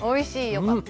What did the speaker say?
よかった！